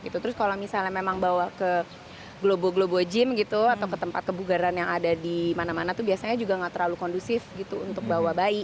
terus kalau misalnya memang bawa ke globo globo gym gitu atau ke tempat kebugaran yang ada di mana mana itu biasanya juga nggak terlalu kondusif gitu untuk bawa bayi